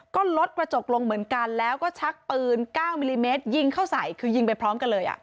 ก็ลดกระจกลงเหมือนกันแล้วก็ชักปืน๙มิลลิเมตรยิงเข้าใส่คือยิงไปพร้อมกันเลย